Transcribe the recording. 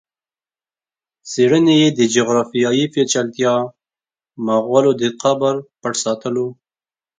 څېړني یې د جغرافیایي پېچلتیا، مغولو د قبر پټ ساتلو